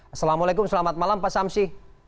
assalamualaikum selamat malam pak samsi